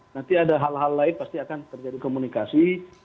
nanti ada hal hal lain pasti akan terjadi komunikasi